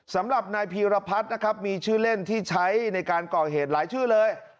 สำหรับนายพีรพัฒน์นะครับมีชื่อเล่นที่ใช้ในการก่อเหตุหลายชื่อเลย